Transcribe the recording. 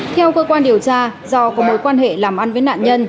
theo cơ quan điều tra do có mối quan hệ làm ăn với nạn nhân